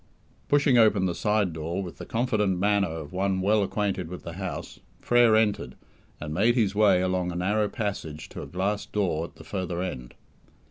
Pushing open the side door with the confident manner of one well acquainted with the house, Frere entered, and made his way along a narrow passage to a glass door at the further end.